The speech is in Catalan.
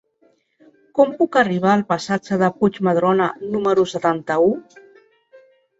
Com puc arribar al passatge del Puig Madrona número setanta-u?